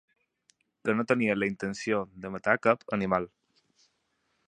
Que no tenia la intenció de matar cap animal.